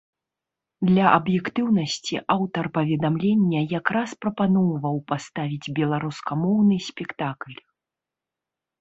Для аб'ектыўнасці, аўтар паведамлення якраз прапаноўваў паставіць беларускамоўны спектакль.